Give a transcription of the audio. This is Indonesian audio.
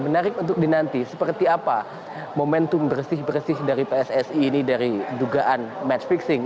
menarik untuk dinanti seperti apa momentum bersih bersih dari pssi ini dari dugaan match fixing